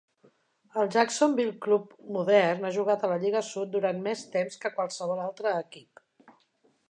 El Jacksonville Club modern ha jugat a la Lliga Sud durant més temps que qualsevol altre equip.